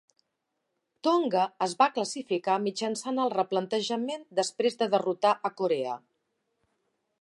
Tonga es va classificar mitjançant el replantejament després de derrotar a Corea.